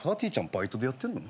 バイトでやってんの？